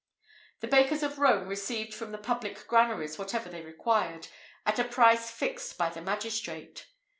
The bakers of Rome received from the public granaries whatever they required, at a price fixed by the magistrate.